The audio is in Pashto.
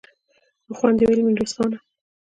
په خوند يې وويل: ميرويس خانه!